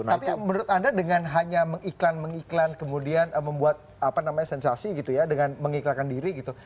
tapi menurut anda dengan hanya mengiklan mengiklan kemudian membuat apa namanya sensasi gitu ya dengan mengiklankan diri gitu